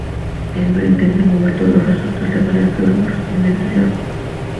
Elmer intenta mover todos los resortes legales, pero el procedimiento es largo.